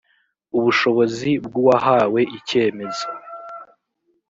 ubushobozi bw’ uwahawe icyemezo.